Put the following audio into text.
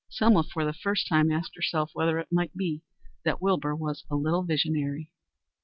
Selma for the first time asked herself whether it might be that Wilbur was a little visionary.